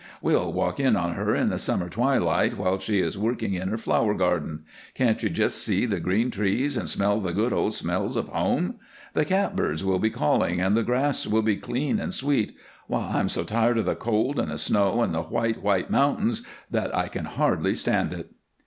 We'll walk in on her in the summer twilight while she is working in her flower garden. Can't you just see the green trees and smell the good old smells of home? The catbirds will be calling and the grass will be clean and sweet. Why, I'm so tired of the cold and the snow and the white, white mountains that I can hardly stand it."